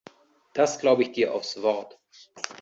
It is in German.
Das glaube ich dir aufs Wort.